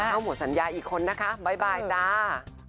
เอาหมดสัญญาอีกคนนะคะบ๊ายบายตา